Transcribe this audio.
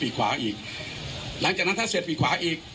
ขวาอีกหลังจากนั้นถ้าเสร็จปีกขวาอีก